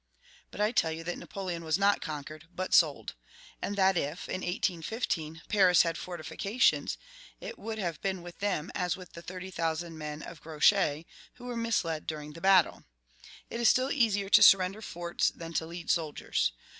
But I tell you that Napoleon was not conquered, but sold; and that if, in 1815, Paris had had fortifications, it would have been with them as with the thirty thousand men of Grouchy, who were misled during the battle. It is still easier to surrender forts than to lead soldiers.